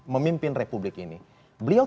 memimpin republik ini beliau